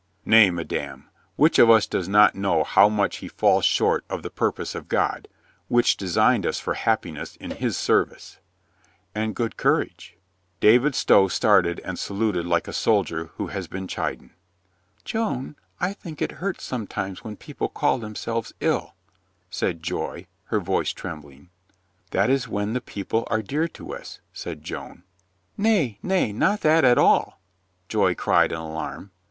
"Nay, madame, which of us does not know how much he falls short of the purpose of God, which designed us for happiness in His service." "And good courage." David Stow started and saluted like a soldier who has been chidden. "Joan, I think it hurts sometimes when people call themselves ill," said Joy, her voice trembling. "That is when the people are dear to us," said Joan. "Nay, nay, not that at all," Joy cried in alarm.